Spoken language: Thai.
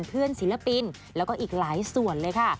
ศิลปินแล้วก็อีกหลายส่วนเลยค่ะ